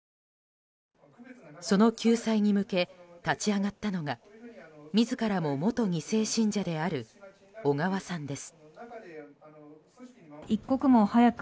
その救済に向け立ち上がったのが自らも元２世信者である小川さんです。